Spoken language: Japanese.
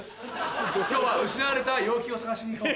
今日は失われた陽気を探しにいこう。